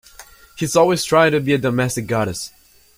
She's always tried to be a domestic goddess.